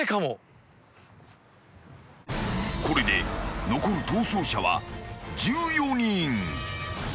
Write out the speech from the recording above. ［これで残る逃走者は１４人］